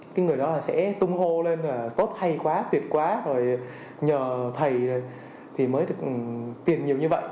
cái người đó là sẽ tung hô lên là tốt hay quá tuyệt quá rồi nhờ thầy thì mới được tiền nhiều như vậy